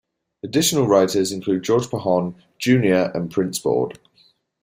Additional writers include George Pajon, Junior and Printz Board.